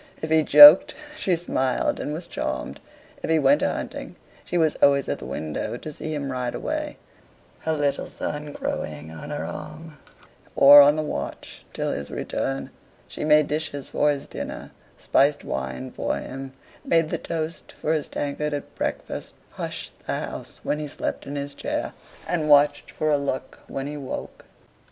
If he joked, she smiled and was charmed. If he went a hunting, she was always at the window to see him ride away, her little son crowing on her arm, or on the watch till his return. She made dishes for his dinner: spiced wine for him: made the toast for his tankard at breakfast: hushed the house when he slept in his chair, and watched for a look when he woke.